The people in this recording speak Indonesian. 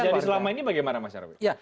yang terjadi selama ini bagaimana mas nyarwi